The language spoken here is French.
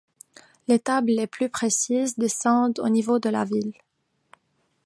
Les tables les plus précises descendent au niveau de la ville.